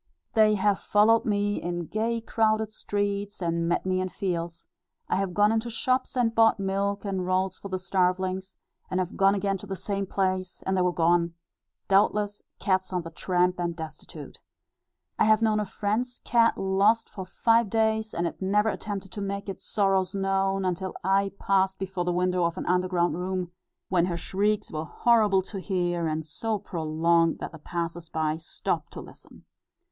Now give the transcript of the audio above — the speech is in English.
They have followed me in gay crowded streets, and met me in fields; I have gone into shops and bought milk and rolls for the starvelings; and have gone again to the same place, and they were gone, doubtless, cats on the tramp and destitute. I have known a friend's cat lost for five days, and it never attempted to make its sorrows known, until I passed before the window of an underground room, when her shrieks were horrible to hear, and so prolonged, that the passers by stopped to listen.